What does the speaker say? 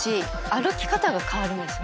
歩き方が変わるんです。